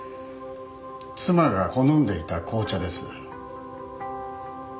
妻が好んでいた紅茶です。